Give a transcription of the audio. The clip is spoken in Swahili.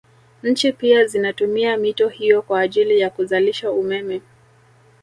Nchi pia zinatumia mito hiyo kwa ajili ya kuzalisha umeme